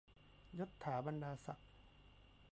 ยศฐาบรรดาศักดิ์